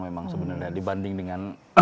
memang sebenarnya dibanding dengan